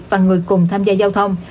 và người cùng tham gia giao thông